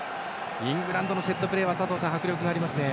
イングランドのセットプレーは迫力ありますね。